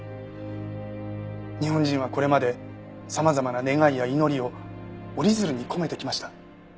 日本人はこれまで様々な願いや祈りを折り鶴に込めてきました。